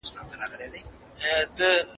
هغه څوک چي د کتابتون د کار مرسته کوي منظم وي!!